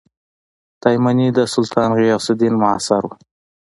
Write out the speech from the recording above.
تایمنى د سلطان غیاث الدین معاصر وو.